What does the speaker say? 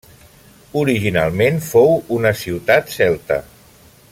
Originalment fou una ciutat celta.